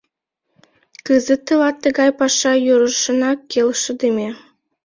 — Кызыт тылат тыгай паша йӧршынак келшыдыме.